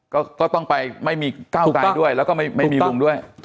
ก็ต้องไปไม่มีก้าวไกลด้วยแล้วก็ไม่มีลุงด้วย